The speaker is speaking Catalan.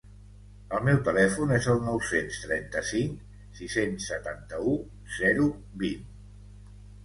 El meu telèfon és el nou-cents trenta-cinc sis-cents setanta-u zero vint.